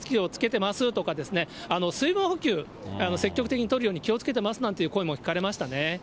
ですとか、水分補給、積極的にとるように気をつけてますなんて声も聞かれましたね。